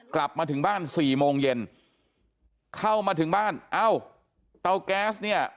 กลับมาถึงบ้านสี่โมงเย็นเข้ามาถึงบ้านเอ้าเตาแก๊สเนี่ย